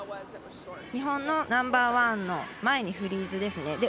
日本のナンバーワンの前にフリーズですね。